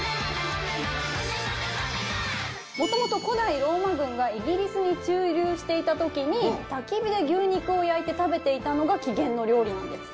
もともと古代ローマ軍がイギリスに駐留していたときにたき火で牛肉を焼いて食べていたのが起源の料理なんです。